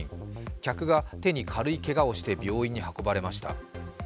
客が手に軽いけがをして病院に運ばれました。